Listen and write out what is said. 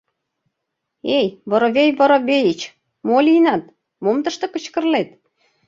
— Эй, Воробей Воробеич, мо лийынат, мом тыште кычкырлет?